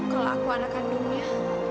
kalau aku anak kandungnya